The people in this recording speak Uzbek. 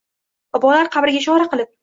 Bobolar qabriga ishora qilib.